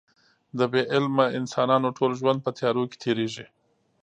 د بې علمه انسانانو ټول ژوند په تیارو کې تېرېږي.